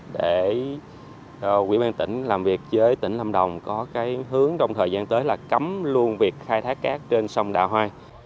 để quỹ ban tỉnh làm việc với tỉnh lâm đồng có hướng trong thời gian tới là cấm luôn việc khai thác cát trên sông đà hoa